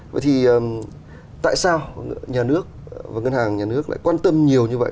vậy thì tại sao nhà nước và ngân hàng nhà nước lại quan tâm nhiều như vậy